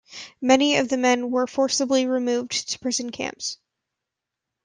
Many of the men were forcibly removed to prison camps.